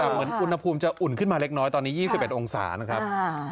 เหมือนอุณหภูมิจะอุ่นขึ้นมาเล็กน้อยตอนนี้๒๑องศานะครับ